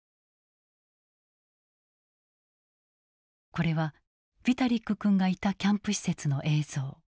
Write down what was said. これはヴィタリック君がいたキャンプ施設の映像。